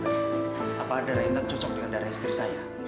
bagaimana dokter apa darah intan cocok dengan darah istri saya